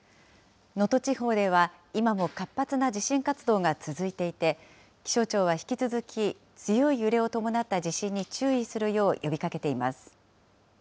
能登地方では、今も活発な地震活動が続いていて、気象庁は引き続き、強い揺れを伴った地震に注意するよう呼びかけています。